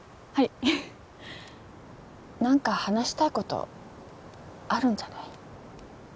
はい何か話したいことあるんじゃない？